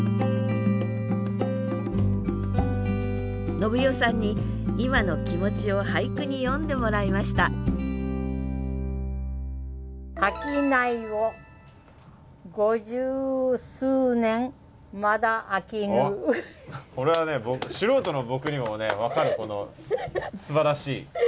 伸代さんに今の気持ちを俳句に詠んでもらいましたこれはね素人の僕にもね分かるほどすばらしい。